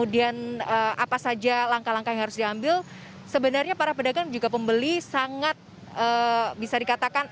dan apa saja langkah langkah yang harus diambil sebenarnya para pedagang juga pembeli sangat bisa dikatakan